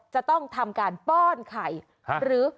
จะต้องทำการป้อนไข่หรือ